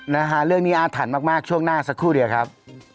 นะฮะเรื่องนี้อาถรรพ์มากช่วงหน้าสักครู่เดียวครับ